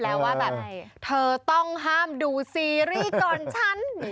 แล้วว่าแบบเธอต้องห้ามดูซีรีส์ก่อนฉัน